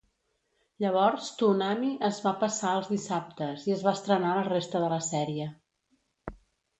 Llavors Toonami es va passar als dissabtes i es va estrenar la resta de la sèrie.